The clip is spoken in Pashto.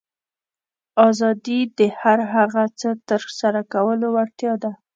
آزادي د هر هغه څه ترسره کولو وړتیا ده.